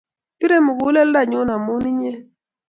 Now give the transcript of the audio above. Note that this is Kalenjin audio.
Pirei muguleldonyu amu inye